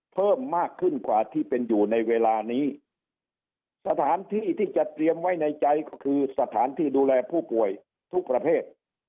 เพิ่มมากขึ้นกว่าที่เป็นอยู่ในเวลานี้สถานที่ที่จะเตรียมไว้ในใจก็คือสถานที่ดูแลผู้ป่วยทุกประเภท